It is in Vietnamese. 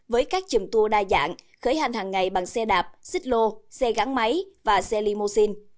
với các chùm tour đa dạng khởi hành hàng ngày bằng xe đạp xích lô xe gắn máy và xe limousine